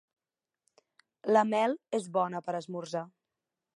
La mel és bona per esmorzar.